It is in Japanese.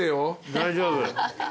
大丈夫。